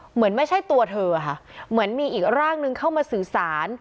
เหมือนไม่ใช่ตัวเธอค่ะเหมือนมีอีกร่างนึงเข้ามาสื่อสาร